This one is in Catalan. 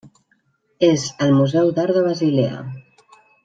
És al Museu d'Art de Basilea.